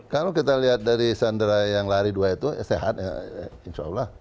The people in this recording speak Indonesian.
kalau kita lihat dari sandera yang lari dua itu sehat ya insya allah